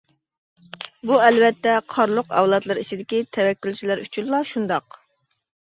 بۇ ئەلۋەتتە قارلۇق ئەۋلادلىرى ئىچىدىكى تەۋەككۈلچىلەر ئۈچۈنلا شۇنداق.